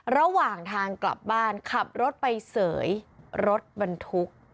ระหว่างทางกลับบ้านขับรถไปเสยรถบรรทุก